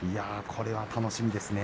これは楽しみですね。